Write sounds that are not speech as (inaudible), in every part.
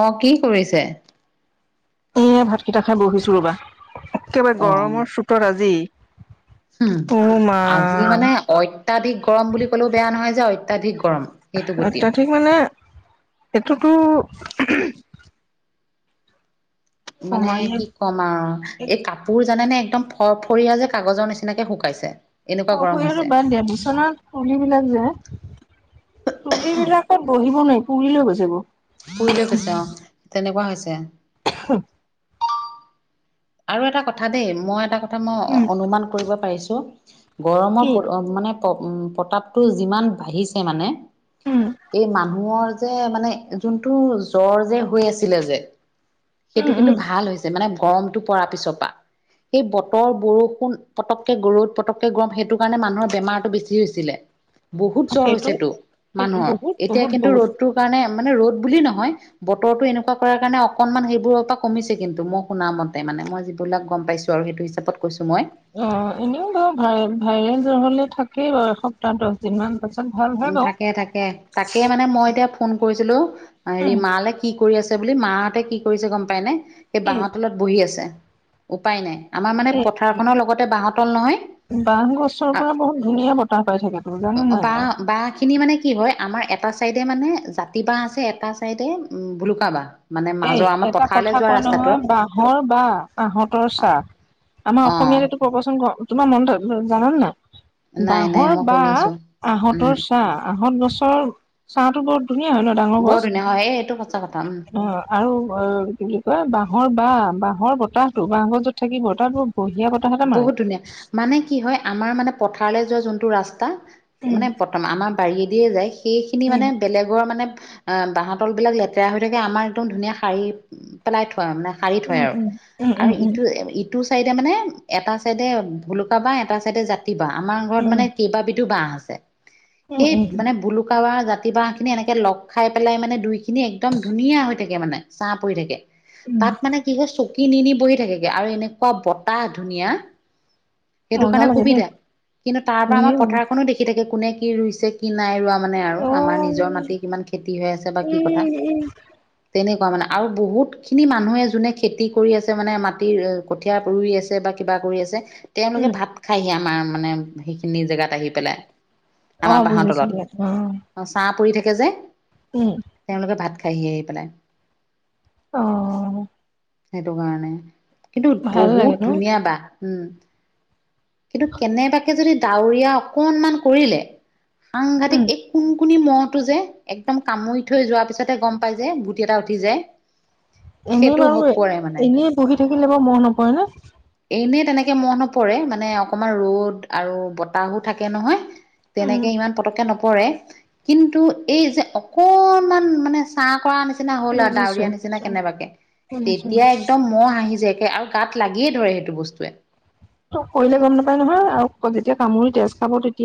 অ' কি কৰিছে? এ ভাতকেইটা খাই বহিছো ৰবা, একেবাৰে গৰমৰ চোতত আজি উম অ মা আজি মানে অত্যাধিক গৰম বুলি ক'লেও বেয়া নহয় যে অত্যাধিক গৰম। সেইটো গতিয়ে অত্যাধিক মানে সেইটোতো মানে কমাই কি কম আৰু এই কাপোৰ জানে নে একদম ফৰ ফৰিয়া যে কাগজৰ নিচিনাকে শুকাইছে এনেকুৱা ফৰ গৰম ফৰিয়াটো হৈছে বাদ দিয়া বিচনা তুলিবিলাক যে তুলিবিলাকত বহিব নোৱাৰি পুৰি লৈ গৈ যাব পুইলে কৈছে অ তেনেকুৱা হৈছে (unintelligible) আৰু এটা কথা দেই মই এটা কথা মই উম অনুমান কৰিব পাৰিছো গৰমৰ কি মানে উম প্ৰতাপটো যিমান বাঢ়িছে মানে উম এই মানুহৰ যে মানে যোনটো জ্বৰ যে হৈ আছিলে যে সেইটো উম উম কিন্তু ভাল হৈছ ছে মানে গৰমটো পাৰ পিছৰ পা সেই বতৰ বৰষুণ পতককে গৰুত পতককে গৰম সেইটো কাৰণে মানুহৰ বেমাৰটো বেছি হৈছিলে বহুত জ্বৰ সেইটো হৈছেতো মানুহৰ বহুত এতিয়া বহুত কিন্তু বহুত ৰ'দটো কাৰণে মানে ৰ'দ বুলি নহয় বতৰটো এনেকুৱা কৰাৰ কাৰণে অকনমান সেইবোৰৰ পৰা কমিছে কিন্তু মই শুনা মত তে মানে মই যিবিলাক গম পাইছো আৰু সেইটো হিচাপত কৈছোঁ মই অ এনেও বাৰু ভাই ভাইৰেল জ্বৰ হ'লেই থাকেই বাৰু এসপ্তাহ দহ দিনমান তাৰ পাছত ভাল হয় উম বাৰু থাকে থাকে তাকে মই এতিয়া ফোন কৰিছিলো হেৰি উম মালে কি কৰি আছে বুলি মাহঁতে কি কৰিছে গম পাই নে সেই কি বাহ তলত বহি আছে উপায় নাই আমাৰ মানে পথাৰখনৰ লগতে বাঁহৰ তল নহয় বহ গছৰ পৰা বহুত ধুনীয়া বতাহ পাই থাকেতো জানে নাই বাহ খিনি মানে কি হয় আমাৰ এটা চাইডে মানে জাতি বাহ আছে এটা চাইডে উম ভুলুকা বাহ এই এটা কথা কয় নহয় বাঁহৰ বা আহঁতৰ চাহ আমাৰ অ অসমীয়াতে প্ৰপচন তোমাৰ মন জানানে নাই নাই বাঁহৰ মই বাহ শুনিছো উম আহতৰ চাহ আহত গছৰ চাহতো বৰত ধুনীয়া হয় ন ডাঙৰ বৰ গছ ধুনীয়া হয় এইটো সচা কথা উম অ আৰু অ কি বুলি কয় বাহৰ বাহ বাহৰ বতাহতো বাঁহগছত থাকি বতাহ টোৰ বহুত ধুনীয়া মানে কি হয় আমাৰ মানে পথাৰলৈ যোৱা যোনটো ৰাস্তা উম মানে আমাৰ বাৰীয়ে দিয়ে যায় সেই খিনি মানে উম বেলেগৰ মানে অ বাহ তল বিলাক লেতেৰা হৈ থাকে আমাৰ একদম ধুনীয়া শাৰী পেলাই থোৱাই মানে সাৰি থয় উম আৰু উম উম উম আৰু উম ইটো ইট টো চাইডে মানে এটা চাইডে ভুলুকা বাহ এটা চাইডে জাত জাতি বাঁহ আমাৰ ঘৰত উম মানে কেইবাবিধো বাঁহ আছে উম উম সেই উম মানে ভুলুকা বাঁহ জাতি বাঁহ খিনি এনেকে লগ খাই পেলাই মানে দুই খিনি একদম ধুনীয়া হৈ থাকে মানে ছাহ পৰি থাকে তাত মানে কি হয় চকী নি নি বহি থাকেগে আৰু এনেকুৱা বত তাহ ধুনীয়া সেইটো মজা কাৰণে লাগে দেই সুবিধা কিন্তু তাৰ পৰা আমাৰ পথাৰখনো দেখি থাকে কোনে কি ৰুইছে কি নাই ৰোৱা মানে আৰু আমাৰ নিজৰ মাটিৰ কিমান খেতি হৈ আছে বা কি কথা তেনেকুৱা মানে আৰু বহুতখিনি মানুহে যোনে খেতি কৰি আছে মানে মাটিৰ কঠিয়াৰ ৰুই আছে বা কিবা কৰি আছে তেওঁলোকে উম ভাত খাইহি আমাৰ মানে সেইখিনি জেগাত আহি পেলাই অ আমাৰ বাঁহৰ বুজিছো তলত দিয়া অ অ চাহ পৰি থাকে যে। উম। তেওঁলোকে ভাত খাইহি আহি পেলাই। অ'। সেইটো কাৰণে, কিন্তু ভাল লাগে ন বহুত ধুনীয়া বাঁহ। উম, কিন্তু কেনেবাকে যদি দাৱৰিয়া অকনমান কৰিলে। উম সাংঘাতিক এক কোন কুনি মহতো যে একদম কামুৰি থৈ যোৱাৰ পিছতহে গ'ম পাই যে, গুটি এটা উঠি যায়। (inaudible) এনে বাৰু, পৰে মানে এনে বহি থাকিলে বাৰু মহ নপৰে নে? এনে তেনেকে মহ নপৰে মানে অকমান ৰ'দ আৰু বতাহো থাকে নহয়। তেনেকে ইমান পতকে নপৰে, কিন্তু এই যে অকনমান মানে চা পৰা নিচিনা হ'ল আৰু বুজিছো দাৱৰীয়া নিচিনা বুজিছো কেনেবাকে, বুজিছো। তেতিয়া একদম মহ আহি যায় একে আৰু গাত লাগিয়ে ধৰে সেইটো বস্তুৱে। পৰিলে গ'ম নাপাই নহয় আৰু যেতিয়া কামুৰি তেজ খাব তেত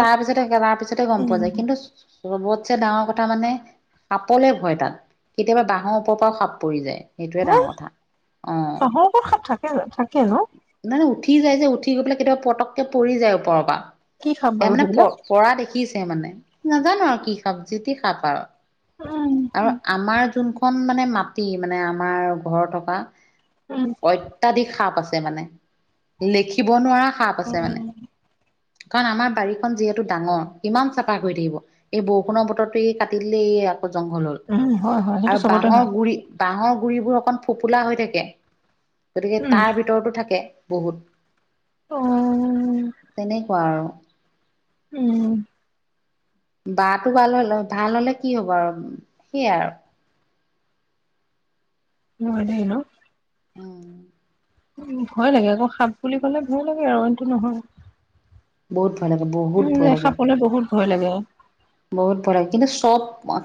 তাৰ পিছতে একেবাৰে পিছতে গ'ম পোৱা যায় কিন্তু চবটচে ডাঙৰ কথা মানে সাপলে ভয় তাত, কেতিয়াবা বাঁহৰ ওপৰৰ পৰাও সাপ পৰি যায় সেইটোৱে ডাঙৰ কথা। অ'। বাহৰ ওপৰত সাপ থাকে জানো, থাকে ন'? নাই নাই উঠি যায় যে, উঠি গৈ পেলাই কেতিয়াবা পটককে পৰি যায় ওপৰৰ পৰা, কি সাপ সেয়া বাৰু মানে প সেইবিলাক? পৰা দেখিছে মানে, নাজানো আৰু কি সাপ জিটি সাপ আৰু। উম আৰু আমাৰ যোনখন মানে মাটি, মানে আমাৰ ঘৰ থকা। উম অত্যাধিক সাপ আছে মানে, লেখিব নোৱাৰা সাপ আছে মানে, কাৰণ আমাৰ বাৰীখন যিহেতু ডাঙৰ কিমান চাফা কৰি থাকিব। এই বৰষুণৰ বতৰটোৱে কাটি দিলে আকৌ জংঘল হ'ল, উম হয় হয় সেইটো আৰু চবতে বাহৰ হয় গুৰি বাহৰ গুৰিবোৰ অকন ফোপোলা হৈ থাকে, গতিকে উম তাৰ ভি তৰতো থাকে বহুত, অ তেনেকুৱা আৰু। উম। বাঁহটো ভাল হ'লেও, ভাল হ'লে কি হ'ব আৰু সেইয়া আৰু। হয় দেই ন'! অ'। উম, ভয় লাগে আকৌ সাপ বুলি ক'লে ভয় লাগে আৰু অইনটো নহয়। বহুত ভয় লাগে বহ। মোৰ যে সাপলে বহুত ভয় লাগে। বহুত ভয় লাগে, কিন্তু চব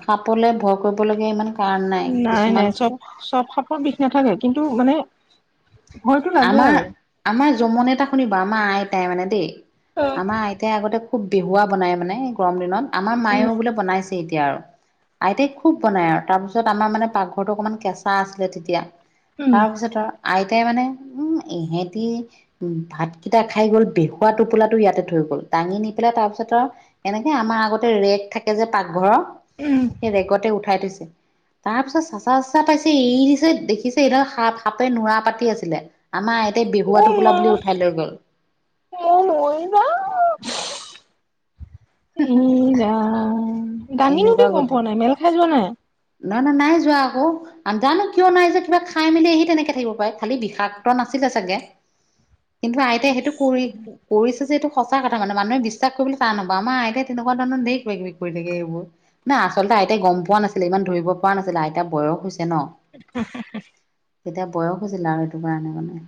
সাপলে ভয় কৰিব লগীয়া ইমান কাৰণ নাই নাই চব কিছুমানতো চব সাপ পৰ বিষ নাথাকে কিন্তু মানে, ভয়তো লাগে আমাৰ আৰু। আমাৰ জমনি এটা শুনিবা, আমাৰ আইতায়ে মানে দেই, অ আমাৰ আইতায়ে আগতে খুব বেহুৱা বনাই মানে গৰম দিনত, আমাৰ মায়েও বোলে বনাইছে এতিয়া আৰু। আইতাই খুব বনাই আৰু তাৰপিছত আমাৰ মানে পাকঘৰতো অকমান কেঁচা আছিলে তেতিয়া। তাৰপিছত আৰু আইতাই মানে উম, ইহেতি উম, ভাতকেইটা খাই গ'ল বেহুৱা টোপোলাটো ইয়াতে থৈ গ'ল, দাঙি নি পেলাই তাৰ পিছত আৰু এনেকে আমাৰ আগতে ৰেগ থাকে যে পাকঘৰৰ, সেই ৰেগতে উঠাই থৈছে। তাৰপিছত চাচা চাচা পাইছে এৰিদিছে দেখিছে এডাল সাপ, সাপে নুৰা পাতি আছিলে। আমাৰ আইতে বেহুৱা টোপোলা বুলি উঠাই লৈ গ'ল। মই মৰি যাম। এ ৰাম দাঙিনেওতে গ'ম পোৱা নাই মেল খাই যোৱা নাই? না-না-নাই যোৱা আকৌ। নাজানো কিয় নাই যোৱা কিবা খাই মেলি আহি তেনেকে থাকিব পাৰে, খালি বিষাক্ত নাছিলে চাগে। কিন্তু আইতাই সেইটো কৰি কৰিছে যে এইটো সঁচা কথা মানে মানুহে বিশ্বাস কৰিবলে টান নাপাওঁ, আমাৰ আইতাই তেনেকুৱা ধৰণৰে ধেৰ কিবা কিবি কৰি থাকে। মানে আচলতে আইতাই গম পোৱা নাছিলে ইমান ধৰিব পৰা নাছিলে আইতাৰ বয়স হৈছে ন। (inaudible) তেতিয়া বয়স হৈছিল আৰু এইটো কাৰণে মানে।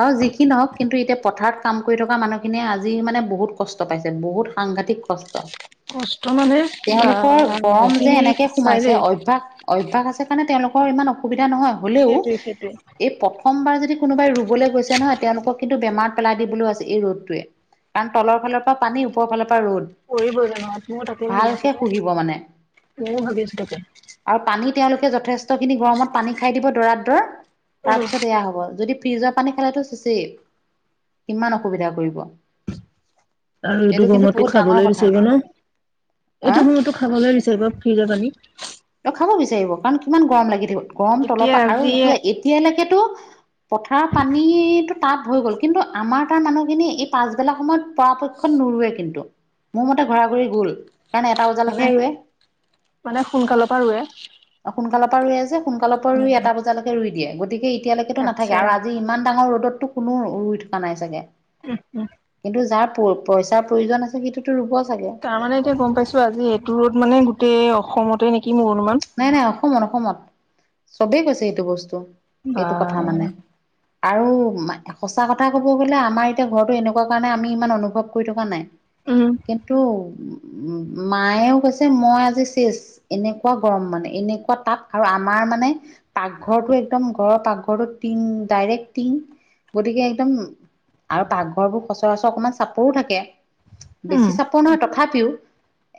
বাৰু যি কি নহওক কিন্তু এতিয়া পথাৰত কাম কৰি থকা মানুহখিনিয়ে আজি মানে বহুত কষ্ট পাইছে বহুত সাংঘাতিক কষ্ট। কষ্ট মানে বা তেওঁলোকৰ গৰম আজি যে এনেকে সঁচাই সোমাইছে দেই অভ্যাস অভ্যাস আছে কাৰণে তেওঁলোকৰ ইমান অসুবিধা নহয় হ'লেও, সেইটোৱে সেইটোৱে এই প্ৰথমবাৰ যদি কোনোবাই ৰু বলৈ গৈছে নহয় তেওঁলোকক কিন্তু বেমাৰত পেলাই দিবলৈও আছে এই ৰ'দটোৱে, কাৰণ তলৰ ফালৰ পৰা পানী ওপৰ ফালৰ পৰা ৰ'দ। পৰিব জানো ময়ো তাকে ভাবি ভালকে আছোঁ পাই। শুহিব মানে ময়ো ভাবি আছো তাকে। আৰু পানী তেওঁলোকে যথেষ্ট খিনি গৰমত পানী খাই দিব দৰাত দৰ তাৰ উম পিছত এয়া হ'ব। যদি ফ্ৰিজৰ পানী খালেতো শেষেই কিমান অসুবিধা কৰিব। আৰু এইটো কিন্তু গৰমতো বহুত খাবলৈ ডাঙৰ কথা। বিচাৰিব ন এইটো আহ মোৰতো খাবলৈ দিছে এইবাৰ ফ্ৰিজৰ পানী। ত খাব বিচাৰিব কাৰণ কিমান গৰম লাগি থাকিব। গৰম তলৰ এতিয়া পৰা আৰু আজি এতিয়া এতিয়ালৈকেতো পথাৰৰ পানী তাপ হৈ গ'ল কিন্তু আমাৰ তাৰ মানুহখিনি এই পাছবেলা সময়ত পৰাপক্ষত নুৰুৱে কিন্তু। মোৰ মতে ঘৰা-ঘৰি গ'ল। কাৰণ এটা বজালৈকে মানে ৰুৱে মানে সোনকালৰ পৰা ৰুৱে। অ সোনকালৰ পৰা ৰুৱে যে, সোনকালৰ পৰা ৰুই উম এটা বজালৈকে ৰুই দিয়ে গতিকে এতিয়ালৈকেতো নাথাকে আচ্ছা আৰু আজি ইমান ডাঙৰ ৰ'দতো কোনো ৰুই থকা নাই চাগে। হম হম। কিন্তু যাৰ প-পইচাৰ প্ৰয়োজন আছে সি টোতো ৰুব চাগে। তাৰ মানে এতিয়া গম পাইছো আজি এইটো ৰ'দ মানে গোটেই অসমতে নেকি মোৰ অনুমান। নাই নাই অসমত অসমত, চবেই কৈছে এইটো বস্তু এইটো কথা বা মানে। আৰু সঁচা কথা ক'ব গ'লে আমাৰ এতিয়া ঘৰটো এনেকুৱা কাৰণে আমি ইমান অনুভৱ কৰি থকা নাই। উম, কিন্তু মায়েও কৈছে মই আজি শেষ এনে কুৱা গৰম মানে এনেকুৱা তাপ আৰু আমাৰ মানে পাকঘৰটো একদম ঘৰৰ পাকঘৰটো টিং ডাইৰেক্ট টিং গতিকে একদম আৰু পাকঘৰবোৰ সচৰাচৰ অকণমান চাপৰো থাকে। উম, বেছি চাপৰ নহয় তথাপিও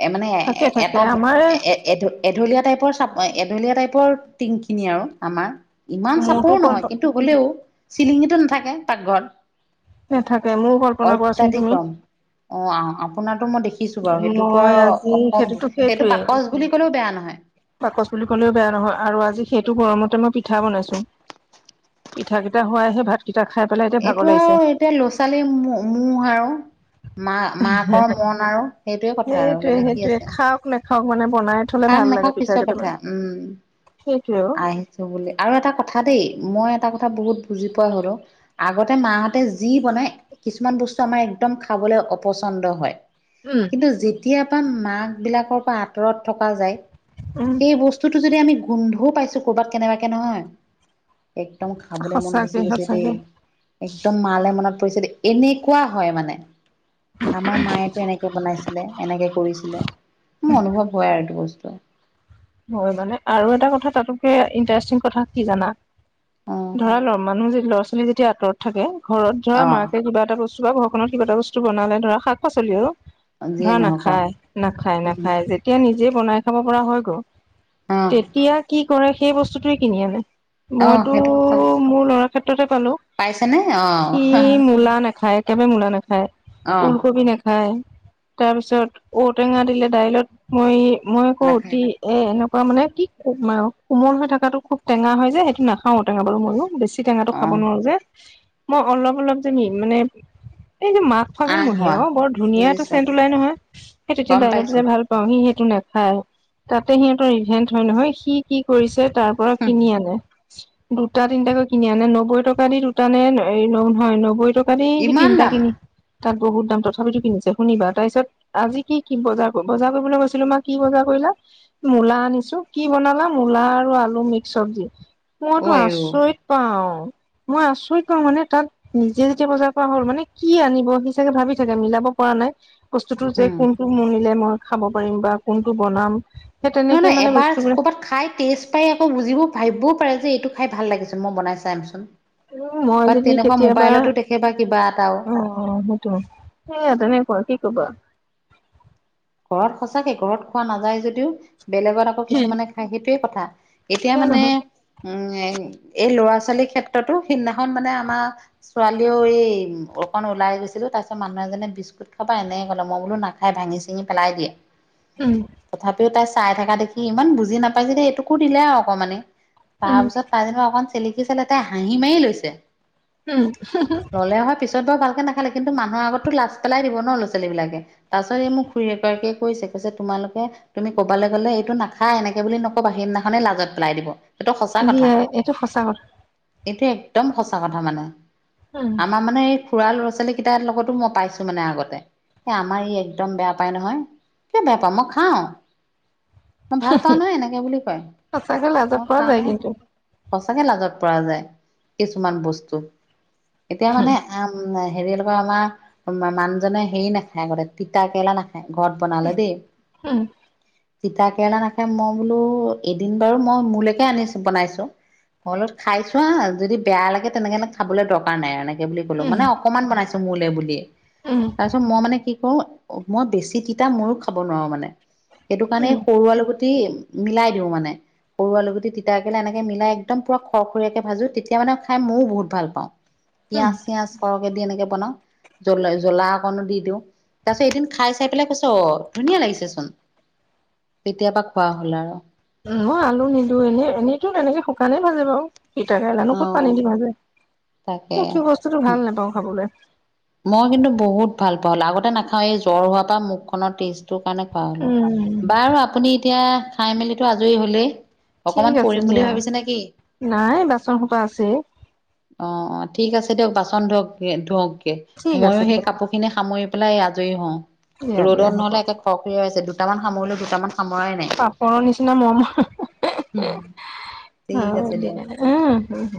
এ মানে থাকে থাকে এটা আমাৰ এ এড-এঢলীয়া টাইপৰ চাপ এঢলীয়া টাইপৰ টিংখিনি আৰু আমাৰ। ইমান মোৰতো চাপৰো কল্প নহয় কিন্তু হ'লেও চিলিঙিতো নাথাকে পাকঘৰত। নেথাকে মোৰো কল্পনা কৰাচোন অত্যাধিক তুমি। গৰম অ আপোনাৰতো মই দেখিছো বাৰু সেইটোতো মই আৰু আজি সেইটোতো অসম্ভব সেইটো সেইটোৱে বাকচ বুলি কলেও বেয়া নহয়। বাকচ বুলি ক'লেও বেয়া নহয় আৰু আজি সেইটো গৰমতে মই পিঠা বনাইছো। পিঠা কেইটা হোৱাইহে ভাত কেইটা খাই পেলাই এতিয়া ভাগৰ এইটো লাগিছে আৰু এতিয়া ল'ৰা-ছোৱালীৰ ম-মোহ আৰু মা-মাকৰ মন আৰু। সেইটোৱে কথা আৰু সেইটোৱে বেলেগ কি সেইটোৱে, আছে খাওঁক নেখাওঁক মানে বনাই থলে খাক ভাল লাগে নাখাওক পিঠা পিছৰ কথা কেইটামান, সেইটোৱে অ। কৈছে বুলি, আৰু এটা কথা দেই মই এটা কথা বহুত বুজি পোৱা হ'লোঁ। আগতে মাহঁতে যি বনাই কিছুমান বস্তু আমাৰ একদম খাবলৈ অপচন্দ হয়। উম কিন্তু যেতিয়া পা মাক বিলাকৰ পৰা আঁতৰত থকা যায়, উম সেই ব স্তুটোতো যদি আমি গোন্ধও পাইছো ক'ৰবাত কেনেবাকে নহয়, একদম খাবলৈ মন গুচি সঁচাকে গৈছে দেই। সঁচাকে একদম মালে মনত পৰিছে দেই, এনেকুৱা হয় মানে আমাৰ মায়েটো এনেকে বনাই ছিলে এনেকে কৰিছিলে, মোৰ অনুভৱ হয় আৰু এইটো বস্তু। হয় মানে আৰু এটা কথা তাতোকে ইণ্টাৰেষ্টিং কথা কি জানা? অ ধৰা ল মানুহ যে ল'ৰা ছোৱালী যেতিয়া আঁতৰত থাকে, ঘৰত ধৰা অ মাকে কিবা এটা ব স্তু চোৱা ঘৰখনত কিবা এটা বস্তুনালে ধৰা শাক পাচলি আৰু, যিয়ে ধৰা নহওক অ নাখায় নাখায় নাখায়, যেতিয়া নিজে বনাই খাব পৰা হৈ গ'ল অ'। তেতিয়া কি কৰে, সেই বস্তুটোৱে কিনি আনে। অ মইতো সেইটো সঁচা কথা মোৰ লৰা ক্ষেত্ৰতে পালো। পাইছেনে অঁ। সি মূলা নাখায়, একেবাৰে মূলা নাখা খায়, অ ঊলকবি নাখায়, তাৰপিছত ঔটেঙা দিলে দাইলত মই মই আকৌ নাখায় অতি এ এনেকুৱা মানে কি কোমল হৈ থকাটো খুব টেঙা হয় যে সেইটো নাখাওঁ ঔটেঙা বাৰু মইও বেছি টেঙাটো অ খাব নোৱাৰো যে। মই অলপ অলপ যে মানে, এই যে মাঘ ফাগুন আহ মহীয়া, হোৱা অঁ বৰ ধুনীয়া এটা বুজিছো চেণ্ট ওলাই নহয়, সেই তেতিয়া গম দাইলত পাইছো দিলে ভাল পাওঁ সি সেইটো দিলে নাখায়। তাতে সিহঁতৰ ইভেন্ট হয় নহয়, সি কি কৰিছে তাৰ পৰা হুম কিনি আনে। দুটা তিনটাকৈ কিনি আনে নব্বৈ টকা দি দুটা নে নহয় নব্বৈ ট কা দি সেই ইমান তিনিটা দাম কিনি, তাত বহুত দাম তথাপিতো কিনিছে শুনিবা তাৰপিছত আজি কি কি বজাৰ বজাৰ কৰিবলৈ গৈছিলো মা কি বজাৰ কৰিলা? মূলা আনিছো কি বনালা আৰু আলু মিক্স চব্জি। অ মইতো আইও আচৰিত পাওঁ, মই আচৰিত পাওঁ মানে তাত নিজে যেতিয়া বজাৰ কৰা হ'ল মানে কি আনিব সি চাগে ভাবি থাকে মিলাব পৰা নাই। বস্তুটো যে উম কোনটো নিনিলে মই খাব পাৰিম বা কোনটো বনাম। সেই নহয় তেনেকে নহয় মানে এবাৰ বস্তুবিলাক কৰ'বাত খাই টেষ্ট তাই আকৌ বুজিব ভাবিব‌ও পাৰে যে এইটো খাই ভাল লাগিচোন মই বনাই চাইমচোন। উ মই যদি কেতিয়াবা, দেখে বা কিবা এটাও অঁ অঁ সেইটো হয়। সেয়া তেনেকুৱা কি কবা। ঘৰত সঁচাকে ঘৰত খোৱা নাযায় যদিওঁ, বেলেগত আকৌ কিছুমানে খায় সেইটোৱে কথা। এতিয়া সেয়া মানে, নহয় উম এই ল'ৰা ছোৱালীৰ ক্ষেত্ৰতো সিদিনাখন মানে আমাৰ ছোৱালীও এই, অকন ওলাই গৈছিলো তাৰ পিছত মানুহ এজনে বিস্কু ত খাবা এনেকে ক'লে মই বোলো নাখাই ভাঙি চিঙি পেলাই দিয়ে। উম তথাপিও তাই চাই থকা দেখি ইমান বুজি নাপাইছে যে এইটোকো দিলে আৰু অকমানে, উম তাৰপিছত তাই যেনিবা অকণ চেলেকি চালে তাই হাঁহি মাৰি লৈছে। (inaudible) ললে হয় পিছত বাৰু ভালে নাখালে, কিন্তু মানু্হ আগতো লাজ পেলাই দিব ন ল'ৰা ছোৱালী বিলাকে, তাৰপিছত এই মোক খুৰী এগৰাকীয়ে কৈছে, কৈছে তোমালোকে তুমি কবালে গ'লে এইটো নাখাই এনেকে বুলি নকবা সেইদিনাখনে লাজত পেলাই দিব। সেইটো সঁচা কথা, দিয়ে এইটো সঁচা কথা এইটো একদম সঁচা কথা মানে। উম আমাৰ মানে খুৰা ল'ৰা-ছোৱালী কেইটাৰ লগতো মতাইছো মানে আগতে, এ, আমাৰ ই একদম বেয়া পাই নহয়, কিয় বেয়া পাও, মই খাওঁ। মই ভাল পাওঁ নহয়, এনেকে বুলি কয়, সঁচাকে লাজত মই পৰা খাওঁ যায় নহয়। কিন্তু সঁচাকে লাজত পৰা যায়, কিছুমান বস্তু, এতিয়া উম মানে আ, হেৰি নহয় আমাৰ, মানুহজনে হেৰি নাখায় আগতে, তিতা কেৰেলা নাখায় ঘৰত বনালে দেই। উম তিতা কেৰেলা নাখাই, মই বোলো, এদিন বাৰু মই মোলৈকে আনিছো, বনাইছো। অলত খাই চোৱা, যদি বেয়া লাগে তেনেকে খাবলৈ দৰকাৰ নাই। এনেকে বুলি ক'লো, উম মানে অকনমান বনাইছো, মোলে বুলি। উম। তাৰ পিছত, মই মানে কি কৰো মই বেছি তিতা ময়ো খাব নোৱাৰো, মানে সেইটো উম কাৰণে সৰু আলু গুটি টি মিলাই দিওঁ মানে। সৰু আলু গুটি, তিতা কেৰেলা এনেকে মিলাই একদম পুৰা খৰ-খৰীয়াকৈ ভাজো, তেতিয়া মানে খাই ময়ো বহুত ভাল পাওঁ। (inaudible) উম পিয়াজ-চিয়াজ সৰহকে দি এনেকে বনাও, জলা-জ্বলা অকনো দি দিওঁ, তাৰ পিছত এদিন খাই চাই পেলাই কৈছে, অ, ধুনীয়া লাগিছে চোন, তেতিয়াবা পা খোৱা হ'ল আৰু। মই আলু নিদিও, এনেই-এনেইতো তেনেকে শুকানে ভাজে বাৰু। তিতা কেৰেলানো অ ক'ত পানী দি ভাজে, তাকে এই কি বস্তুটো ভাল নাপাওঁ খাবলৈ। কিন্তু বহুত পাও, আগতে নাখাও, এই জ্বৰ হোৱাৰ পৰা মুখ খনৰ টেষ্ট তোৰ কাৰণে খোৱা হ'লো। উম বাৰু, আপুনি এতিয়া খাই-মেলিটো আজৰি হ'লেই। অকমান ঠিক আছে পৰিম বুলি দিয়া। ভাবিছে নেকি নাই, বাচন সোপা আছেই। অ, অ, ঠিক আছে দিয়ক। বাচন ধওক-ধওক গে, ঠিক মই আছে সেই দিয়া কাপোৰ খিনি সামৰি পেলাই আজৰি হওঁ, দিয়া দিয়া ৰ'দত হ'ব নহ'লে একে খৰ-খৰীয়া হৈছে, দুটামান সামৰিলো, দুটামান সামৰাই নাই। পাপৰৰ নিচিনা মম। নাই ঠিক আছে দিয়ক। উম।